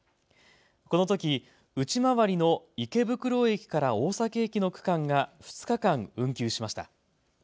このとき内回りの池袋駅から大崎駅の区間が２日間運休しました。